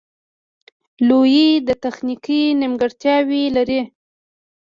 لویې تخنیکې نیمګړتیاوې لري